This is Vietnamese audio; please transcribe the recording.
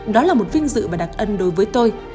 đó là một vinh dự và đặc ân đối với tôi